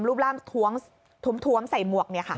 รูปร่างถวมถวมใส่หมวกนี่ค่ะ